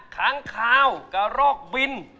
ขังขาวกระโรกบิน